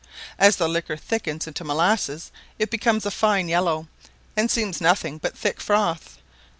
As the liquor thickens into molasses, it becomes a fine yellow, and seems nothing but thick froth.